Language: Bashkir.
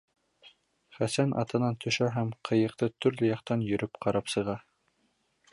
Хәсән атынан төшә һәм ҡыйыҡты төрлө яҡтан йөрөп ҡарап сыға.